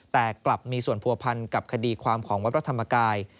แต่กลับมีส่วนผัวพันกับคดีความของวัดพระธรรมกาย